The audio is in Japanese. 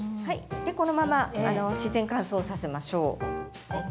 このまま自然乾燥させましょう。